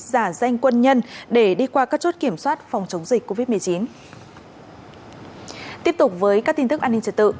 giả danh quân nhân để đi qua các chốt kiểm soát phòng chống dịch covid một mươi chín